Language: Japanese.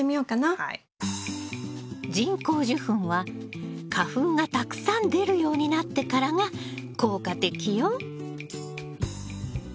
人工授粉は花粉がたくさん出るようになってからが効果的よ。